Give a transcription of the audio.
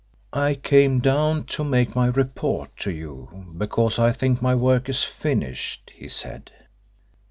"I came down to make my report to you because I think my work is finished," he said.